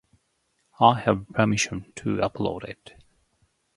I have permission to upload it.